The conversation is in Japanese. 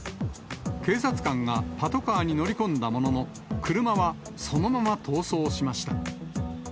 警察官がパトカーに乗り込んだものの、車はそのまま逃走しました。